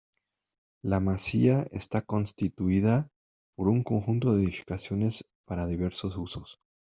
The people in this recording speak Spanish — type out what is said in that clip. La masía está constituida por un conjunto de edificaciones para diversos usos.